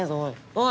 おい！